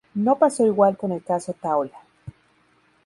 No pasó igual con el caso Taula.